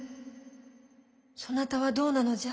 そなたはどうなのじゃ？